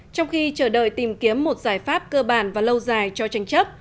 trong khi chờ đợi tìm kiếm một giải pháp cơ bản và lâu dài cho tranh chấp